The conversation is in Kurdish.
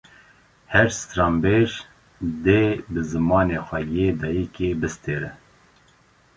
Her stranbêj, dê bi zimanê xwe yê dayikê bistirê